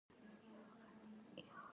زموږ سامانونه په کښتۍ کې پراته ول.